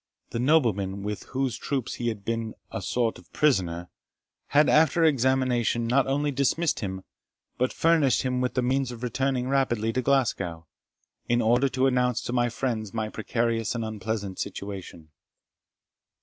The nobleman with whose troops he had been a sort of prisoner, had, after examination, not only dismissed him, but furnished him with the means of returning rapidly to Glasgow, in order to announce to my friends my precarious and unpleasant situation.